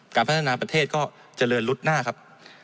การพัฒนาประเทศก็เจริญรุดหน้าครับ